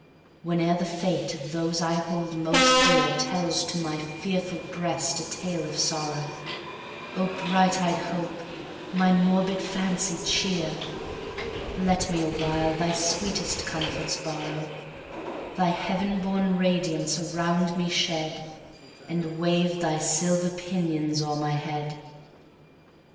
Whene'er the fate of those I hold most dearTells to my fearful breast a tale of sorrow,O bright eyed Hope, my morbid fancy cheer; Let me awhile thy sweetest comforts borrow:Thy heaven born radiance around me shed, And wave thy silver pinions o'er my head!